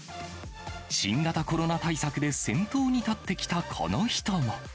新型コロナ対策で先頭に立ってきたこの人も。